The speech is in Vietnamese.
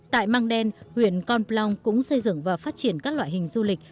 tại mang đen huyện con plong cũng xây dựng và phát triển các loại hình du lịch